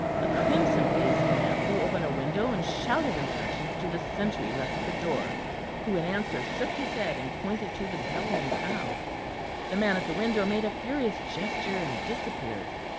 A crimson faced man threw open a window and shouted instructions to the sentry left at the door, who in answer shook his head and pointed to the bellowing crowd; the man at the window made a furious gesture and disappeared.